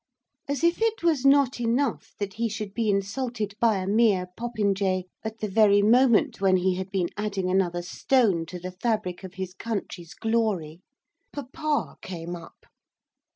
As if it was not enough that he should be insulted by a mere popinjay, at the very moment when he had been adding another stone to the fabric of his country's glory, papa came up.